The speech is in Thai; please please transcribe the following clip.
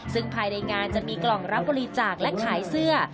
ซึ่งภายในงานจะมีกล่องรับบริจาคและขายเสื้อ